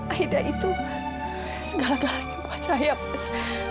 aida itu segala galanya buat saya mas